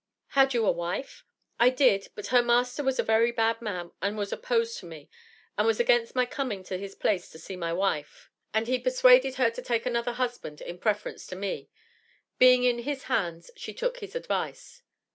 "Had you a wife?" "I did, but her master was a very bad man and was opposed to me, and was against my coming to his place to see my wife, and he persuaded her to take another husband in preference to me; being in his hands she took his advice."